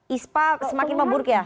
ispa semakin memburuk ya